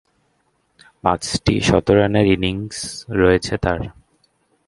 পাঁচটি শতরানের ইনিংস রয়েছে তার।